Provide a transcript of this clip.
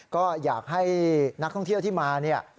ก็อยากให้นักท่องเที่ยวที่มาเนี่ย